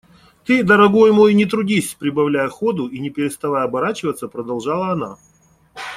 Ты, дорогой мой, не трудись! – прибавляя ходу и не переставая оборачиваться, продолжала она.